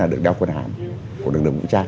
được đeo quần hàm của đồng đồng hữu trang